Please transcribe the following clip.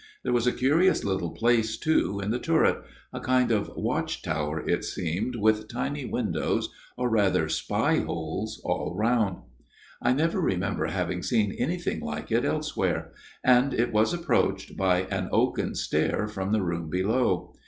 There was a curious little place, too, in the turret : a kind of watch tower, it seemed, with tiny windows, or rather spy holes, *11 round. I never remember having seen anything like it elsewhere ; and it was approached by an oaken stair from the room below.